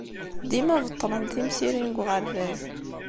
Dima beṭṭlen timsirin deg uɣerbaz.